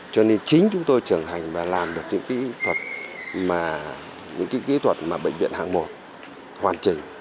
cho nên chính chúng tôi trưởng hành và làm được những kỹ thuật mà bệnh viện hàng một hoàn chỉnh